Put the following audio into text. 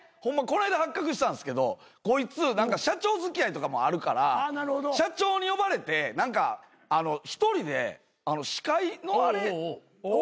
こないだ発覚したんすけどこいつ社長付き合いとかもあるから社長に呼ばれて何か１人で司会のあれ。